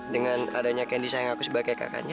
dengan adanya kendy sayang aku sebagai kakaknya